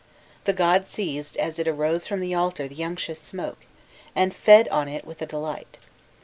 The gods seized as it arose from the altar the unctuous smoke, and fed on it with delight.